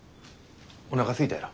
おなかすいたやろ。